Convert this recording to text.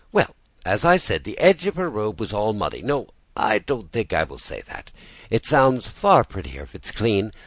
"Well, as I said, the edge of her robe was all muddy no, I don't think I will say that; it sounds prettier if it's clean.